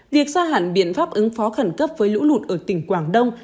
việc xa hẳn biện pháp ứng phó khẩn cấp với lũ lụt ở tỉnh quảng đông